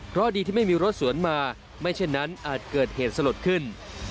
เพราะดีที่ไม่มีรถสวนมาไม่เช่นนั้นอาจเกิดเหตุสลดขึ้น